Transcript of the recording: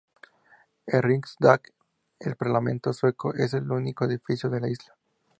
El Riksdag, el Parlamento sueco, es el único edificio de la isla.